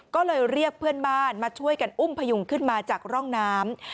ก็เลยเรียกเพื่อนบ้านมาช่วยกันอุ้มพยุงขึ้นมาจากร่องน้ำ